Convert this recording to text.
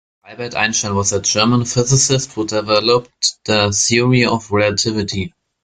Albert Einstein was a German physicist who developed the Theory of Relativity.